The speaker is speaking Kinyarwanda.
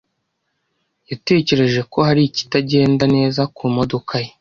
yatekereje ko hari ikitagenda neza ku modoka ye.